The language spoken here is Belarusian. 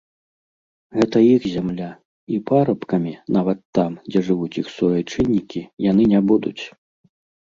Гэта іх зямля, і парабкамі, нават там, дзе жывуць іх суайчыннікі, яны не будуць.